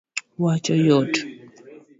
wacho yot